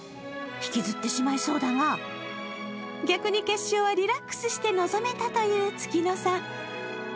引きずってしまいそうだが逆に決勝はリラックスして臨めたという月乃さん。